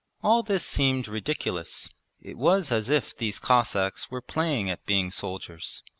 All this seemed ridiculous: it was as if these Cossacks were playing at being soldiers.